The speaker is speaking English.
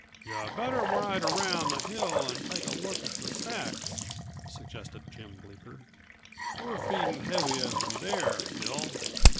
"Yuh better ride around the hill and take a look at the stacks," suggested Jim Bleeker. "We're feeding heavy as we dare, Bill.